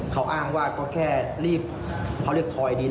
เขาอ้างว่าก็แค่รีบถอยดิน